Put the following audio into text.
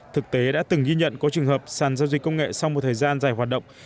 thực tế đã từng ghi nhận có trường hợp sàn giao dịch công nghệ sau một thời gian dài hoạt động